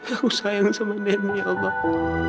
aku sayang sama nenek ya allah